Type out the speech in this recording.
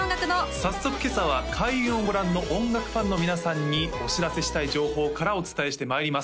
早速今朝は開運をご覧の音楽ファンの皆さんにお知らせしたい情報からお伝えしてまいります